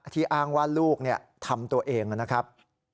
อ้างว่าลูกทำตัวเองนะครับ